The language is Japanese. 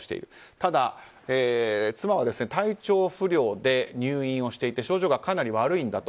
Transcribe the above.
ただ、妻は体調不良で入院をしていて症状がかなり悪いんだと。